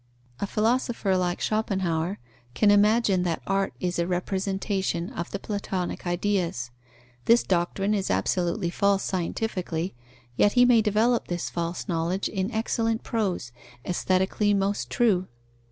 A philosopher like Schopenhauer can imagine that art is a representation of the Platonic ideas. This doctrine is absolutely false scientifically, yet he may develop this false knowledge in excellent prose, aesthetically most true.